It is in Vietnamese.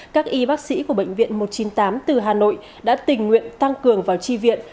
các y bác sĩ của bệnh viện một trăm chín mươi tám từ hà nội đã tình nguyện tăng cường vào tri viện